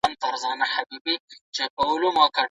زه نه شم کولای پرته له اجازه پیغام واستوم.